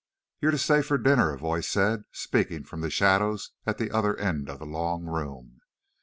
"You're to stay for dinner," a voice said, speaking from the shadows at the other end of the long room.